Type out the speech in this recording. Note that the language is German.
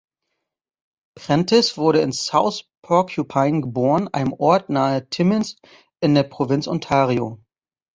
Prentice wurde in South Porcupine geboren, einem Ort nahe Timmins in der Provinz Ontario.